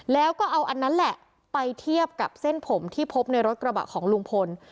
แล้วก็เอาอันนั้นแหละไปเทียบกับเส้นผมที่พบในรถกระบะของลุงพล